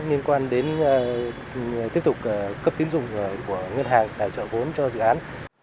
liên quan đến tiếp tục cấp tiến dụng của ngân hàng để trợ vốn cho dự án